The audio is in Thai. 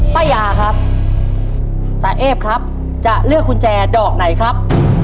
ป้ายาครับตาเอฟครับจะเลือกกุญแจดอกไหนครับ